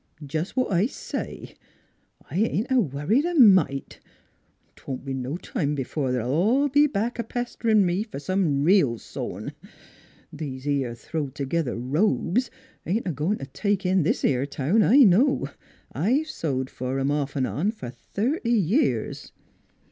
" Jest what I say. I ain't worried a mite. 'Twon't be no time b'fore they'll all be back a pes terin' me f'r some reel sewin'. These 'ere throwed t'gether robes ain't a goin' t' take in this 'ere town, I know; I've sewed f'r 'em, off 'n' on, f'r thirty years."